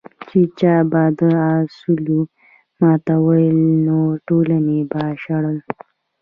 چې چا به دا اصول ماتول نو ټولنې به شړل.